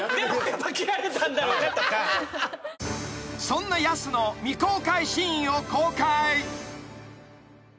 ［そんなやすの未公開シーンを公開］